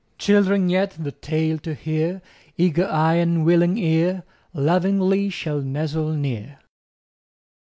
Children yet, the tale to hear, Eager eye and willing ear, Lovingly shall nestle near.